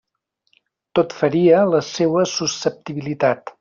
Tot feria la seua susceptibilitat.